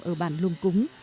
ở bản lung cúng